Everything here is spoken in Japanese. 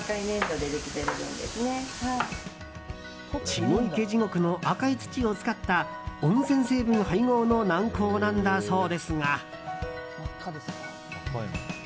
血の池地獄の赤い土を使った温泉成分配合の軟膏なんだそうですが。